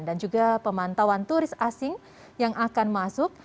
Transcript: dan juga pemantauan turis asing yang akan masuk